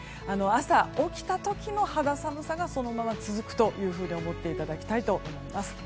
朝、起きた時の肌寒さがそのまま続くと思っていただきたいと思います。